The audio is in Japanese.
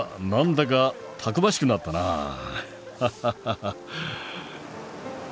何だかたくましくなったなぁ。